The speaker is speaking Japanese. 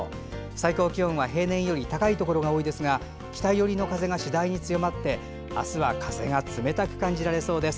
最高気温は平年より高いところが多いですが北寄りの風が次第に強まってあすは風が冷たく感じられそうです。